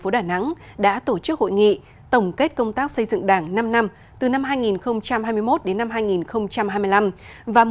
đà nẵng đã tổ chức hội nghị tổng kết công tác xây dựng đảng năm năm từ năm hai nghìn hai mươi một đến năm hai nghìn hai mươi năm và